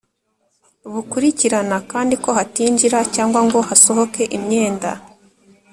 Bukurikirana kandi ko hatinjira cyangwa ngo hasohoke imyenda.